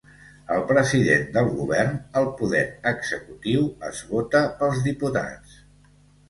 El President del Govern, el poder executiu, es vota pels diputats.